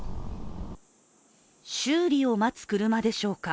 修理を待つ車でしょうか。